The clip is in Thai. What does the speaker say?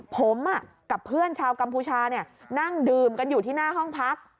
ผมกับเพื่อนชาวกัมพูชานั่งดื่มกันอยู่ที่หน้าห้องพัก